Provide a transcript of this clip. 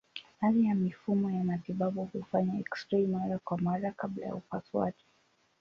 Baadhi ya mifumo ya matibabu hufanya eksirei mara kwa mara kabla ya upasuaji.